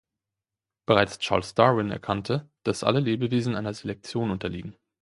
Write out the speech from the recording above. Bereits Charles Darwin erkannte, dass alle Lebewesen einer Selektion unterliegen.